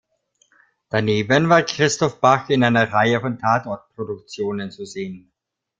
Daneben war Christoph Bach in einer Reihe von Tatort-Produktionen zu sehen.